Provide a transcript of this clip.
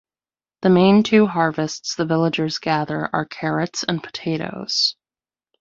The main two harvests the villagers gather are carrots and potatoes.